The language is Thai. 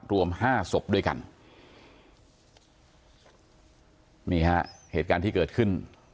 รวมห้าศพด้วยกันนี่ฮะเหตุการณ์ที่เกิดขึ้น